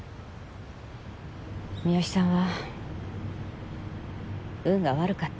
三好さんは運が悪かったわ。